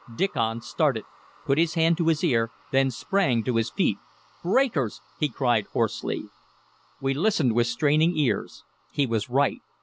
Diccon started, put his hand to his ear, then sprang to his feet. "Breakers!" he cried hoarsely. We listened with straining ears. He was right.